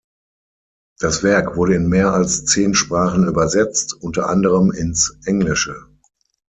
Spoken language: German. Das Werk wurde in mehr als zehn Sprachen übersetzt, unter anderem ins Englische.